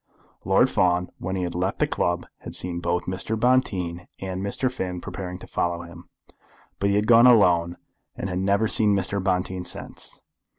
Lord Fawn, when he had left the club, had seen both Mr. Bonteen and Mr. Finn preparing to follow him, but he had gone alone, and had never seen Mr. Bonteen since.